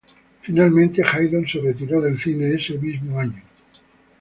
Finalmente, Haydon se retiró del cine ese mismo año.